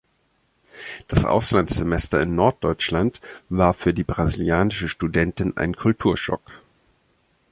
Das Auslandssemester in Norddeutschland war für die brasilianische Studentin ein Kulturschock.